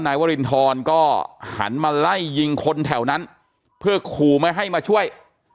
นายวรินทรก็หันมาไล่ยิงคนแถวนั้นเพื่อขู่ไม่ให้มาช่วย